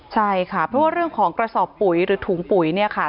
ใช่ค่ะเพราะว่าเรื่องของกระสอบปุ๋ยหรือถุงปุ๋ยเนี่ยค่ะ